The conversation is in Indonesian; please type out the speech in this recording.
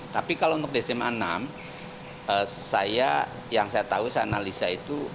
tapi kalau untuk dcma enam yang saya tahu saya analisa itu